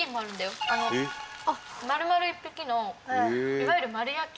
・丸々１匹のいわゆる丸焼き。